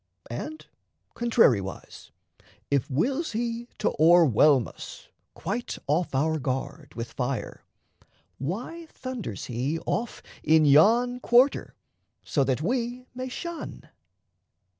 And, contrariwise, if wills he to o'erwhelm us, Quite off our guard, with fire, why thunders he Off in yon quarter, so that we may shun?